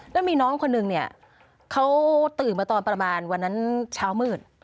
แล้วมีน้องคนนึงเนี่ยเขาตื่นมาตอนประมาณวันนั้นเช้ามืด